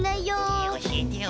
えおしえてよ。